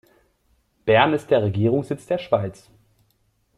Bern ist der Regierungssitz der Schweiz.